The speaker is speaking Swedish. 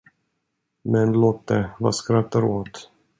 Men, Lotte, vad skrattar du åt?